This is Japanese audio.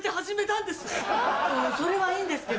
それはいいんですけど。